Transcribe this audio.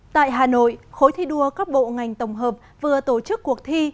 tại hà nội khối thi đua các bộ ngành tổng hợp vừa tổ chức cuộc thi